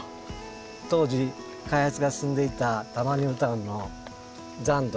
当時開発が進んでいた多摩ニュータウンの残土残った土ですね